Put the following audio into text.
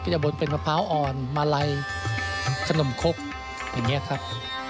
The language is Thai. จะบนเป็นมะพร้าวอ่อนมาลัยขนมคกอย่างนี้ครับ